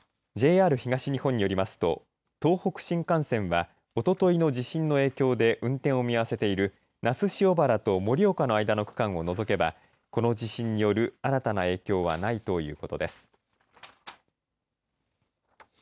ＪＲ東日本によりますと東北新幹線はおとといの地震の影響で運転を見合わせている那須塩原と盛岡の間の区間を除けばこの地震による新たな影響はないということです。